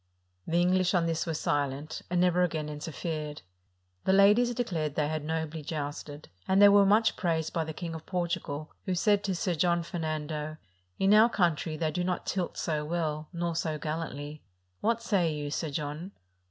The English on this were silent, and never again interfered. The ladies declared they had nobly jousted; and they were much praised by the Kingof Portugal, who said to Sir John Fernando, "In our country they do not tilt so well, nor so gallantly: what say you. Sir John?"